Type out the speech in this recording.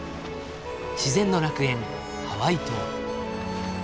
自然の楽園ハワイ島。